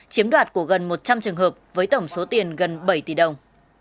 chiếm đoạt của gần một trăm linh trường hợp với tổng số tiền gần bảy tỷ đồng